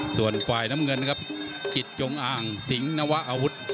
ส่วนฝ่ายน้ำเงินนะครับกิจจงอ่างสิงหนวะอาวุธ